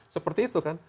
seperti itu kan